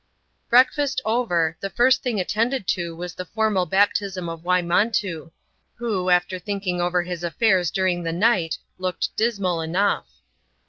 Breakfast over, the first thing attended to was the formal baptism of Wymontoo, who, after thinking over his affairs dur ing the night, looked dismal enough.